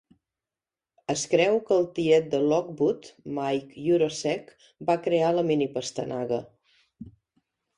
Es creu que el tiet de Lockwood, Mike Yurosek, va crear la mini-pastanaga.